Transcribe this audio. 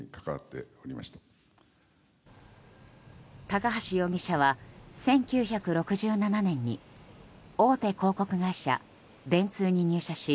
高橋容疑者は１９６７年に大手広告会社電通に入社し